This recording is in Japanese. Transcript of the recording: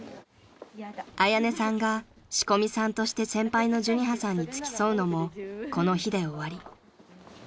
［彩音さんが仕込みさんとして先輩の寿仁葉さんに付き添うのもこの日で終わり］